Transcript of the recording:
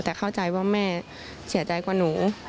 แต่เข้าใจว่าแม่เสียใจกว่าหนู